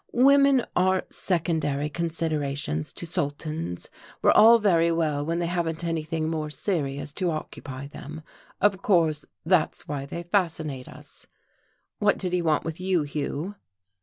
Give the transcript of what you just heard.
"Women are secondary considerations to sultans, we're all very well when they haven't anything more serious to occupy them. Of course that's why they fascinate us. What did he want with you, Hugh?"